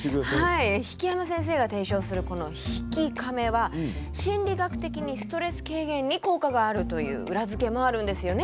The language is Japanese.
引山先生が提唱するこの「悲喜カメ」は心理学的にストレス軽減に効果があるという裏づけもあるんですよね？